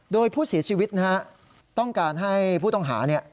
โดยผู้เสียชีวิตนะฮะต้องการให้ผู้ต้องหาเนี่ย